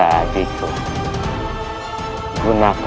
tadi aku susah